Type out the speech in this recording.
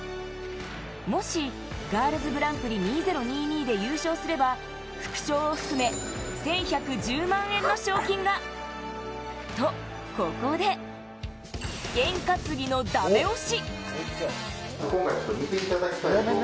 もしガールズグランプリ２０２２で優勝すれば、副賞を含め１１１０万円の賞金が。と、ここで、ゲン担ぎのダメ押し。